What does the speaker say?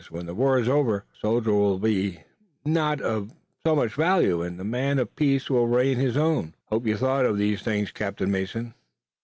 When the war is over the soldier will not be of so much value, and the man of peace will regain his own. I hope you've thought of these things, Captain Mason."